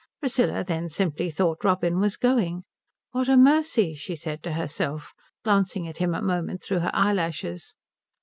Priscilla then simply thought Robin was going. "What a mercy," she said to herself, glancing at him a moment through her eyelashes.